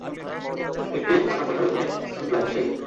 একটি আট বছরের মেয়ে, সিমলায়, মিশেল।